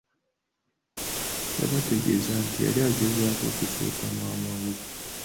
Yabategeeza nti yali agezaako kusuuta maama we.